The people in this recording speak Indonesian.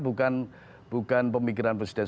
bukan pemikiran presiden